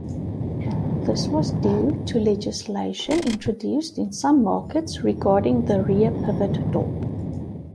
This was due to legislation introduced in some markets regarding the rear pivot door.